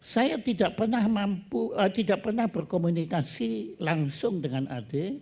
saya tidak pernah berkomunikasi langsung dengan adik irawan